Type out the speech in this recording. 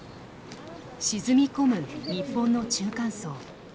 沈み込む日本の中間層。